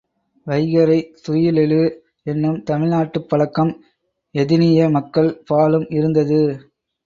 வைகறைத் துயிலெழு என்னும் தமிழ்நாட்டுப் பழக்கம் எதினிய மக்கள் பாலும் இருந்தது.